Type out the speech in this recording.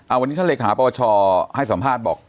อ่ะวันนี้ท่านเลขาประวัติชาติให้สัมภาษณ์บอก